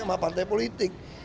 sama partai politik